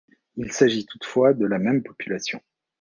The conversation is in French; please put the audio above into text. Il s'agit toutefois de la même population.